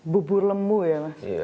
bubur lemu ya mas